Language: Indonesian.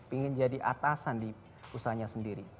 ingin jadi atasan diusahanya sendiri